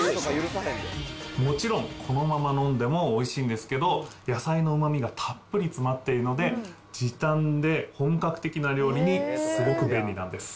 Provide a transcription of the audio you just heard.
もちろん、このまま飲んでもおいしいんですけど、野菜のうまみがたっぷり詰まっているので、時短で本格的な料理にすごく便利なんです。